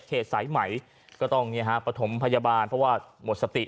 เขตสายไหมก็ต้องเนี่ยฮะประถมพยาบาลเพราะว่าหมดสติ